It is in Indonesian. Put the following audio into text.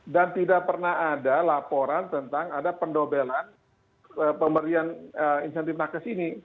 dan tidak pernah ada laporan tentang ada pendobelan pemberian insentif nakes ini